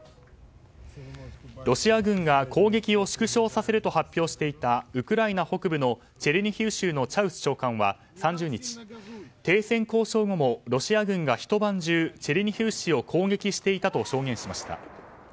ロシア軍が攻撃を縮小させると発表していたウクライナ北部のチェルニヒウ州のチャウス長官は３０日、停戦交渉後もロシア軍が一晩中チェルニヒウ市を攻撃していたと主張しました。